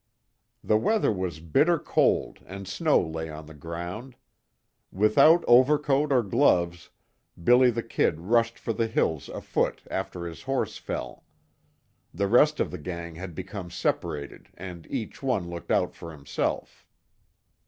The weather was bitter cold and snow lay on the ground. Without overcoat or gloves, "Billy the Kid" rushed for the hills, afoot, after his horse fell. The rest of the gang had become separated, and each one looked out for himself.